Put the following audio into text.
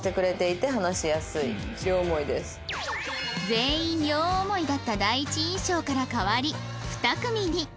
全員両思いだった第一印象から変わり２組に